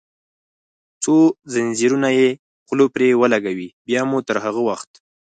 څو زنځیرونه یې خوله پرې ولګوي، بیا مو تر هغه وخت.